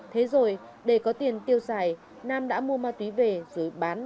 thế rồi để có tiền tiêu xài nam đã mua